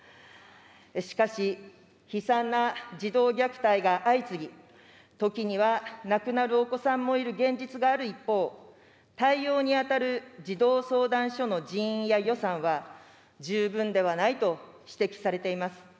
しかし、悲惨な児童虐待が相次ぎ、時には亡くなるお子さんもいる現実がある一方、対応に当たる児童相談所の人員や予算は、十分ではないと指摘されています。